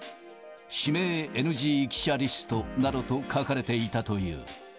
指名ＮＧ記者リストなどと書かれていたという。